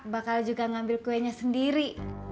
bakal juga ngambil kuenya sendiri